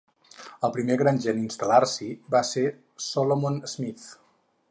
El primer granger en instal·lar-s'hi va ser Solomon Smith.